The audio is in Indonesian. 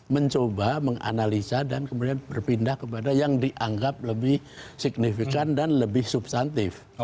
mencoba menganalisa dan kemudian berpindah kepada yang dianggap lebih signifikan dan lebih substantif